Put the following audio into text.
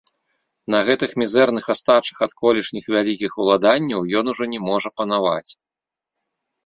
На гэтых мізэрных астачах ад колішніх вялікіх уладанняў ён ужо не можа панаваць.